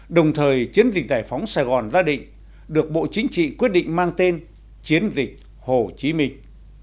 đồng thời chiến dịch giải phóng sài gòn ra định được bộ chính trị quyết định mang tên chiến dịch hồ chí minh